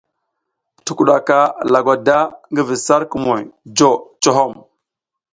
Tukuɗaka lagwada ngi vi sar kumuŋ jo cohom.